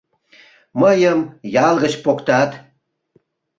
Мыйым ял гыч поктат.